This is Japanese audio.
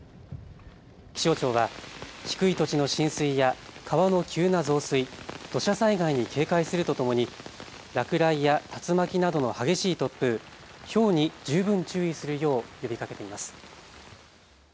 気象庁は低い土地の浸水や川の急な増水、土砂災害に警戒するとともに落雷や竜巻などの激しい突風、ひょうに十分注意するよう呼びかけています。